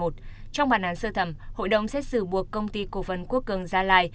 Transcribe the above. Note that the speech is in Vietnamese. trong bản án sơ thẩm hội đồng xét xử buộc công ty cổ phần quốc cường gia lai